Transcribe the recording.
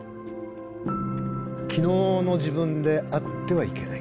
昨日の自分であってはいけない。